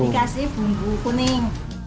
dikasih bumbu kuning